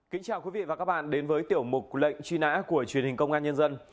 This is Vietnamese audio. kính chào quý vị và các bạn đến với tiểu mục lệnh truy nã của truyền hình công an nhân dân